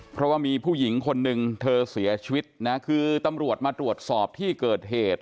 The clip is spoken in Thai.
เพราะว่ามีผู้หญิงคนนึงเธอเสียชีวิตนะคือตำรวจมาตรวจสอบที่เกิดเหตุ